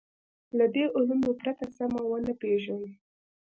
له دې علومو پرته سمه ونه پېژنو.